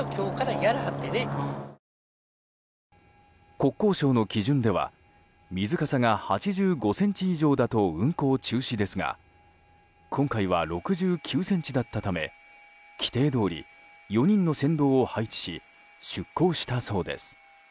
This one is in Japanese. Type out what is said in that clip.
国交省の基準では水かさが８５ｃｍ以上だと運航中止ですが今回は６９ｃｍだったため規定どおり４人の船頭を配置し出航したそうです。